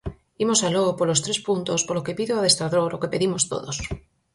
Imos aló polos tres puntos, polo que pide o adestrador, o que pedimos todos.